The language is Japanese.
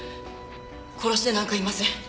殺してなんかいません。